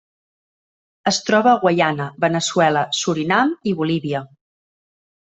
Es troba a Guyana, Veneçuela, Surinam i Bolívia.